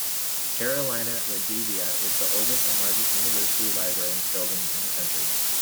Carolina Rediviva is the oldest and largest university library building in the country.